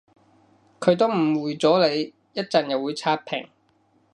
佢都誤會咗你，一陣又會刷屏